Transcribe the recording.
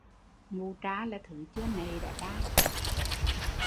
Mụ tra là thứ chưa nậy đã tra